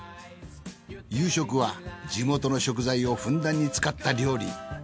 夕食は地元の食材をふんだんに使った料理。